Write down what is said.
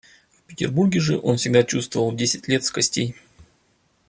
В Петербурге же он всегда чувствовал десять лет с костей.